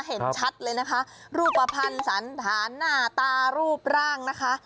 เห็นชัดเลยนะคะรูปภัณฑ์สันฐานหน้าตารูปร่างนะคะ